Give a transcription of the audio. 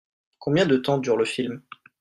Combien de temps dure le film ?